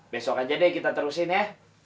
besok aja deh kita terusin ya